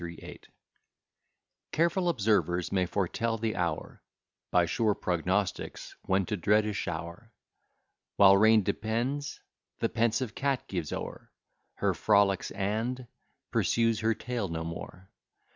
238 Careful observers may foretell the hour, (By sure prognostics,) when to dread a shower. While rain depends, the pensive cat gives o'er Her frolics, and pursues her tail no more.